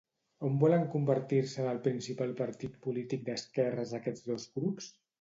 On volen convertir-se en el principal partit polític d'esquerres aquests dos grups?